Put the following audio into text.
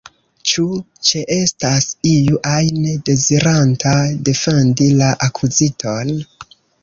Ĉu ĉeestas iu ajn deziranta defendi la akuziton?